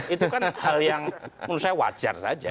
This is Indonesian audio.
itu kan hal yang menurut saya wajar saja